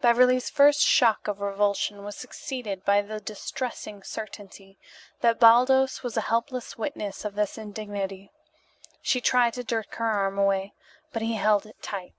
Beverly's first shock of revulsion was succeeded by the distressing certainty that Baldos was a helpless witness of this indignity. She tried to jerk her arm away, but he held it tight.